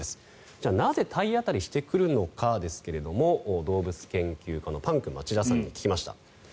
じゃあ、なぜ体当たりしてくるのかですが動物研究家のパンク町田さんに聞きました。